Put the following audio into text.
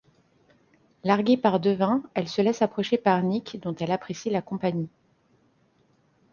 Larguée par Devin, elle se laisse approcher par Nick dont elle apprécie la compagnie.